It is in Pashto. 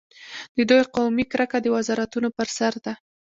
د دوی قومي کرکه د وزارتونو پر سر ده.